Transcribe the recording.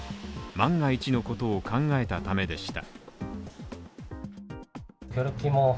万が一のことを考えたためでした。